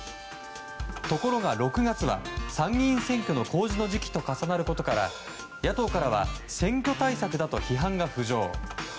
ところが、６月は参議院選挙の公示の時期と重なることから野党からは選挙対策だと批判が浮上。